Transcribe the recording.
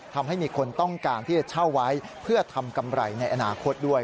ทำให้มีคนต้องการที่จะเช่าไว้เพื่อทำกำไรในอนาคตด้วย